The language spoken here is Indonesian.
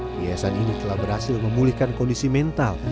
yayasan ini telah berhasil memulihkan kondisi mental